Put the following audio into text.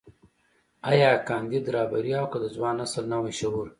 ايا کانديد رهبري او که د ځوان نسل نوی شعور.